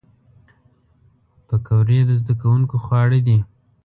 پکورې د زدهکوونکو خواړه دي